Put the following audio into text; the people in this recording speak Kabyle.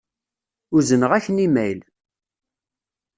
Uzneɣ-ak-n imayl.